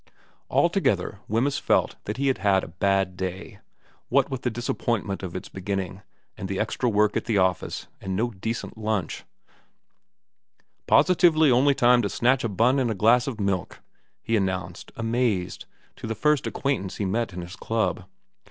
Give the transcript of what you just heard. Altogether Wemyss felt that he had had a bad day, what with the disappointment of its beginning, and the xxvra VERA 311 extra work at the office, and no decent lunch ' Posi tively only time to snatch a bun and a glass of milk,' he announced, amazed, to the first acquaintance he met in the club.